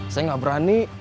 saya gak berani